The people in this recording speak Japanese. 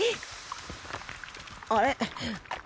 あれ？